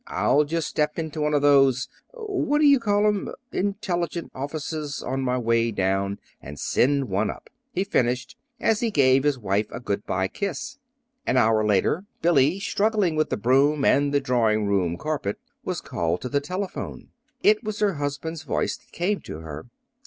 I'll just step into one of those what do you call 'em? intelligence offices on my way down and send one up," he finished, as he gave his wife a good by kiss. An hour later Billy, struggling with the broom and the drawing room carpet, was called to the telephone. It was her husband's voice that came to her.